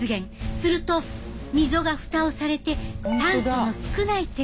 すると溝がフタをされて酸素の少ない世界に。